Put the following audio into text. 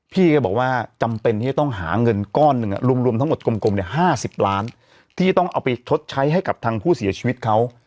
พี่ก็บอกว่าจำเป็นที่จะต้องหาเงินก้อนหนึ่งรวมทั้งหมดกลม๕๐ล้านที่ต้องเอาไปชดใช้ให้กับทางผู้เสียชีวิตเขา